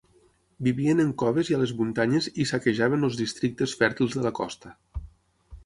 Vivien en coves i a les muntanyes i saquejaven els districtes fèrtils de la costa.